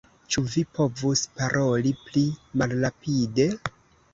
Ĉu vi povus paroli pli malrapide?